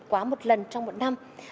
quá một lần trong một năm